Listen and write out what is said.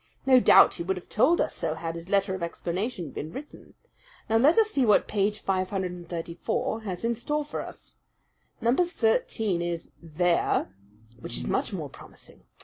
No doubt he would have told us so had his letter of explanation been written. Now let us see what page 534 has in store for us. Number thirteen is 'There,' which is much more promising.